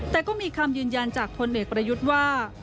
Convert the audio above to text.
แต่ก็มีคำยืนยันจากพลเอกประยุทธ์ว่า